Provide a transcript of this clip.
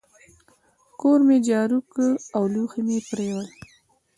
کور مي جارو کی او لوښي مي پرېولل.